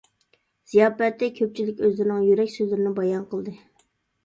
زىياپەتتە كۆپچىلىك ئۆزلىرىنىڭ يۈرەك سۆزلىرىنى بايان قىلدى.